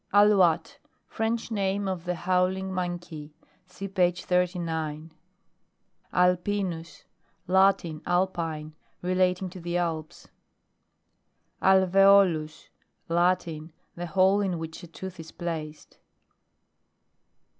ALOU.VTTE French name of the howl ing monkey. (See page 39.) ALPINUS. Latin, Alpine ; relating to the Alps. ALVEOLUS. Latin. The hole in which a tooth is placed.